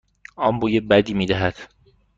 آن بوی بدی میدهد.